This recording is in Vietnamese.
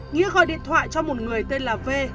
nghĩa gọi điện thoại cho một người tên là v